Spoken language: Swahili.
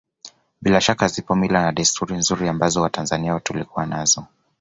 Bila shaka zipo mila na desturi nzuri ambazo Watanzania tulikuwa nazo